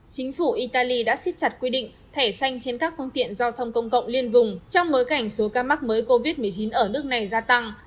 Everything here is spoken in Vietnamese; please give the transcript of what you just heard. chính phủ italy đã xiết chặt quy định thẻ xanh trên các phương tiện giao thông công cộng liên vùng trong bối cảnh số ca mắc mới covid một mươi chín ở nước này gia tăng